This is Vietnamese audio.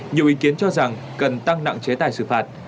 nhiều ý kiến cho rằng cần tăng nặng chế tài xử phạt